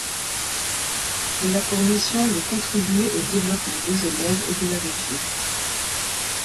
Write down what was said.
Elle a pour mission de contribuer au développement de Genève et de la région.